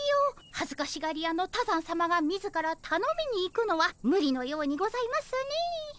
はずかしがり屋の多山さまが自らたのみに行くのはむりのようにございますね。